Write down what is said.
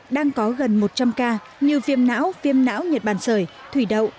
đang có gần một trăm linh ca như viêm não viêm não nhật bản sởi thủy đậu